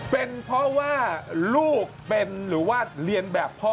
เป็นเพราะว่าลูกเป็นหรือว่าเรียนแบบพ่อ